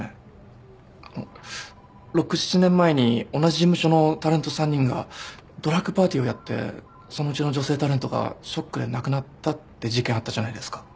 あの６７年前に同じ事務所のタレント３人がドラッグパーティーをやってそのうちの女性タレントがショックで亡くなったって事件あったじゃないですか？